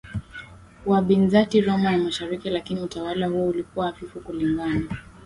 wa Bizanti Roma ya mashariki Lakini utawala huo ulikuwa hafifu kulingana